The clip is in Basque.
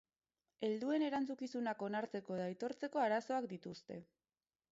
Helduen erantzukizunak onartzeko edo aitortzeko arazoak dituzte.